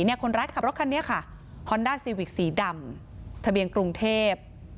เนี้ยคนร้ายขับรถคันนี้ค่ะซีวิคสีดำทะเบียงกรุงเทพ